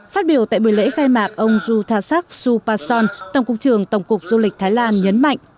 phát biểu tại buổi lễ khai mạc ông jutasak supason tổng cục trường tổng cục du lịch thái lan nhấn mạnh